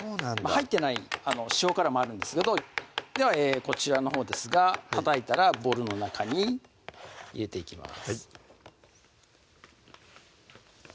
入ってない塩辛もあるんですけどではこちらのほうですがたたいたらボウルの中に入れていきます